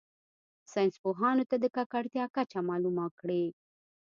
ساینس پوهانو ته د ککړتیا کچه معلومه کړي.